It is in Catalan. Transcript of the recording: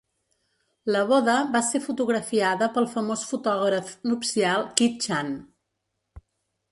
La boda va ser fotografiada pel famós fotògraf nupcial Kid Chan.